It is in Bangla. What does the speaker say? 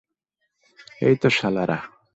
এই তো শালারা!